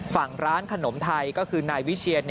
ฝั่งร้านขนมไทยก็คือนายวิเชียน